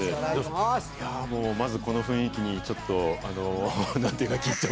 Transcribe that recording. いやもうまずこの雰囲気にちょっとあの何ていうか。